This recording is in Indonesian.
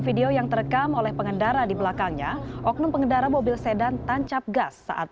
video yang terekam oleh pengendara di belakangnya oknum pengendara mobil sedan tancap gas saat